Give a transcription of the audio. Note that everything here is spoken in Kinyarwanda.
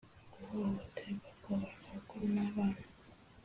guhohoterwa kw’abantu bakuru n’abana,